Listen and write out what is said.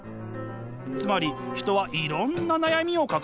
つまり人はいろんな悩みを抱えているんです。